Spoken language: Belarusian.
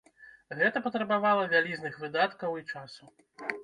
Гэта патрабавала вялізных выдаткаў і часу.